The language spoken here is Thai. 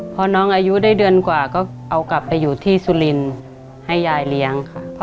พอน้องอายุได้เดือนกว่าก็เอากลับไปอยู่ที่สุรินทร์ให้ยายเลี้ยงค่ะ